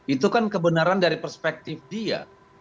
itu kan kebenaran dari perspektif dia